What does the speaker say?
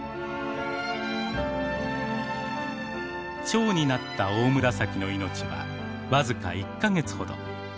チョウになったオオムラサキの命は僅か１か月ほど。